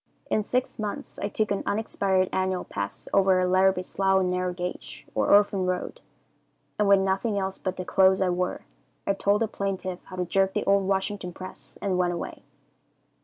"In six months I took an unexpired annual pass over our Larrabie Slough Narrow Gauge, or Orphan Road, and with nothing else but the clothes I wore, I told the plaintiff how to jerk the old Washington press and went away.